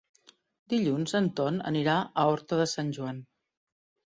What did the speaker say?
Dilluns en Ton anirà a Horta de Sant Joan.